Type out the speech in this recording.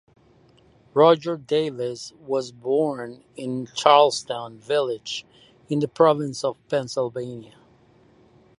Roger Davis was born in Charlestown Village in the Province of Pennsylvania.